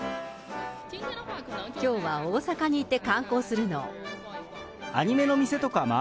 きょうは大阪に行って観光するの。